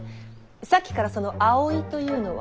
さっきからその葵というのは。